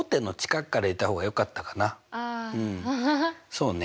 そうね